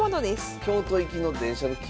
京都行きの電車の切符。